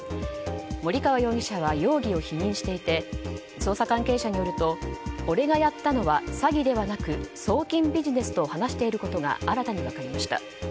森川容疑者は容疑を否認していて捜査関係者によると俺がやったのは詐欺ではなく送金ビジネスと話していることが新たに分かりました。